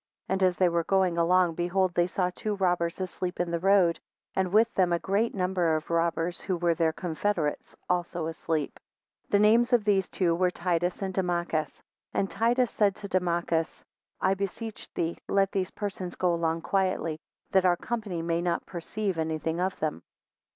2 And as they were going along, behold they saw two robbers asleep in the road, and with them a great number of robbers, who were their confederates, also asleep. 3 The names of these two were Titus and Dumachus; and Titus said to Dumachus, I beseech thee let these persons go along quietly, that our company may not perceive anything of them.